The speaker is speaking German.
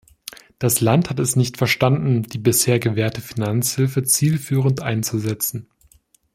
Das Land hat es nicht verstanden, die bisher gewährte Finanzhilfe zielführend einzusetzen.